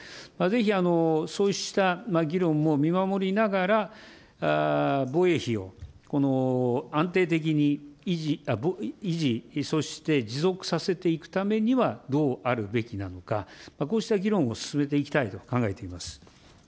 ぜひそうした議論も見守りながら、防衛費を安定的に維持、そして持続させていくためにはどうあるべきなのか、こうした議論を進めていきたいと考えています。